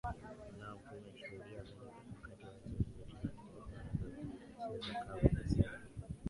naam tumeshudia mengi wakati wachezaji wa timu ya taifa wanavyocheza ka ulivyosema